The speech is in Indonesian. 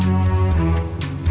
udah ikut aja